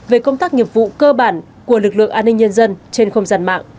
về công tác nghiệp vụ cơ bản của lực lượng an ninh nhân dân trên không gian mạng